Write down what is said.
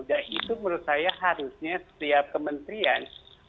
dan itu menurut saya harusnya setiap kementerian